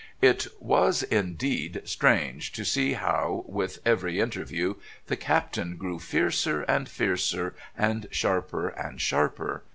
It was indeed strange to see how, with every interview, the Captain grew fiercer and fiercer and sharper and sharper.